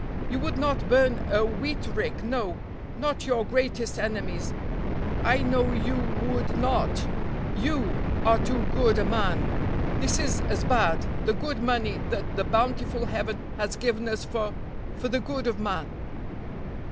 You would not burn a wheat rick, no, not your greatest enemy's; I know you would not, you, are too good a man. This is as bad; the good money that the bountiful Heaven has given us for for the good of man."